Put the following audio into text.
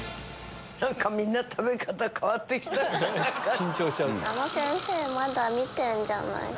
みんな食べ方変わってきたんじゃない？